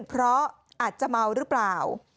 เพราะอาจจะเมาหรือเปล่า